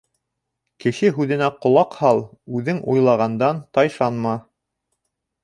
Кеше һүҙенә ҡолаҡ һал, үҙең уйлағандан тайшанма.